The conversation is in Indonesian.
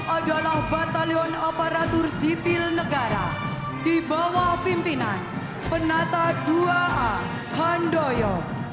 adalah batalion aparatur sipil negara di bawah pimpinan penata dua a handoyo